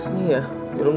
siapa yang bengong